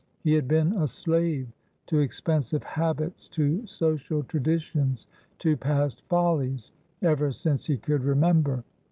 He had been a slave to expensive habits, to social traditions, to past follies, ever since he could remember.